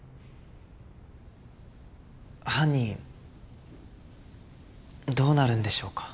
犯人どうなるんでしょうか。